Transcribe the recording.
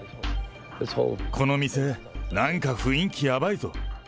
この店、なんか雰囲気やばいぞ。